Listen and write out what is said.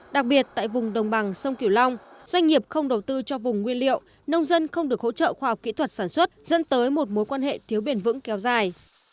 đặc biệt tại vùng đồng bằng sông kiểu long doanh nghiệp không đầu tư cho vùng nguyên liệu nông dân không được hỗ trợ khoa học kỹ thuật sản xuất dẫn tới một mối quan hệ thiếu bền vững kéo dài